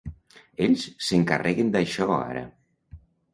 Ells s'encarreguen d'això ara.